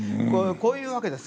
「こういうわけです。